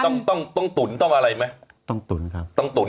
ตัวติ๊นต้องอะไรมั้ย